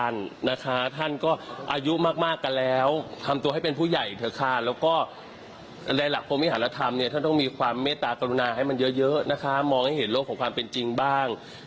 มันเยอะเลยค่ะเอาชีวิตมาอยู่ในโลกความเป็นจริงบ้าง